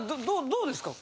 どうですか？